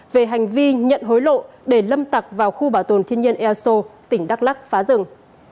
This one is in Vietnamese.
về hành vi nhận hối lộ để lâm tặc vào khu bảo tồn thiên nhiên eso tỉnh đắk lắc phá rừng